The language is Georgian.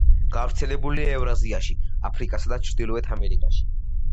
გავრცელებულია ევრაზიაში, აფრიკასა და ჩრდილოეთ ამერიკაში.